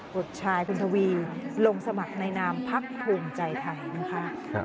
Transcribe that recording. บทชายคุณทวีลงสมัครในนามพักภูมิใจไทยนะคะ